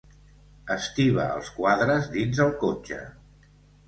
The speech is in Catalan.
Estiba els quadres dins el cotxe.